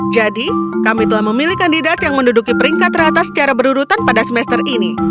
jadi kami telah memilih kandidat yang menduduki peringkat teratas secara berurutan pada semester ini